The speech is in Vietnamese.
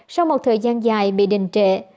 sau một thời gian dài bị đình trệ